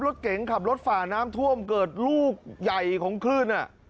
รถเก๋งขับรถฝ่าน้ำท่วมเกิดลูกใหญ่ของคลื่น